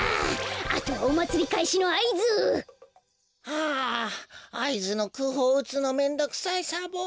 あとはおまつりかいしのあいず！あああいずのくうほううつのめんどくさいサボ。